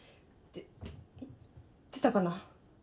言ってたかな。